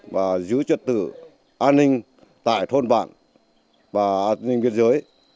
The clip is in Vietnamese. và giữ trật tự an ninh tại thôn bản và an ninh biên giới